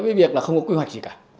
với việc là không có quy hoạch gì cả